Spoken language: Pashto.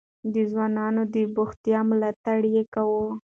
د ځوانانو د بوختيا ملاتړ يې کاوه.